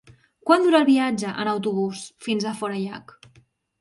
Quant dura el viatge en autobús fins a Forallac?